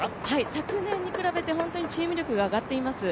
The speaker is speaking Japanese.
昨年に比べてチーム力が上がっています。